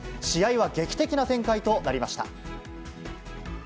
試合は劇的な展開となりました。